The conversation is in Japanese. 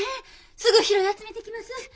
すぐ拾い集めてきます。